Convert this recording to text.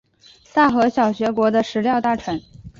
大和小学国的食料大臣。